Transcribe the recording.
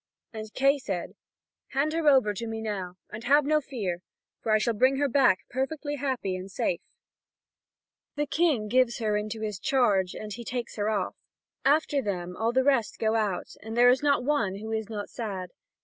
And Kay said: "Hand her over to me now, and have no fear, for I shall bring her back perfectly happy and safe." The King gives her into his charge, and he takes her off. After them all the rest go out, and there is not one who is not sad.